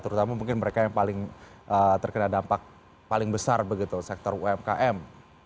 terutama mungkin mereka yang paling terkena dampak paling besar begitu sektor umkm